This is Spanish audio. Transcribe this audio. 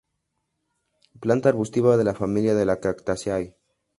Planta arbustiva de la familia de las cactaceae.